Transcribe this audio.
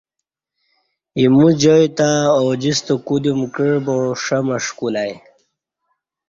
ایمو جائ تہ اوجستہ کُودیوم کعبا ݜمݜ کُولہ ائ۔